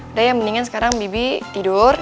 udah ya mendingan sekarang bibi tidur